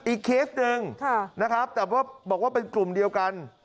เคสหนึ่งนะครับแต่ว่าบอกว่าเป็นกลุ่มเดียวกัน